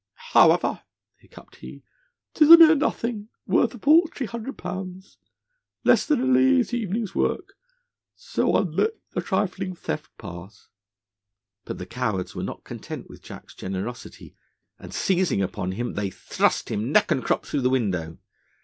"However," hiccupped he, "'tis a mere nothing, worth a paltry hundred pounds less than a lazy evening's work. So I'll let the trifling theft pass." But the cowards were not content with Jack's generosity, and seizing upon him, they thrust him neck and crop through the window.